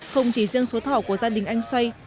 không chỉ riêng số thỏ của gia đình anh xoay